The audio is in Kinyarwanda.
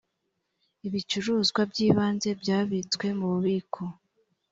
ibicuruzwa by ibanze byabitswe mu bubiko